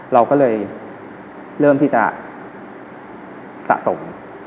เราก็เลยเริ่มที่จะสะสม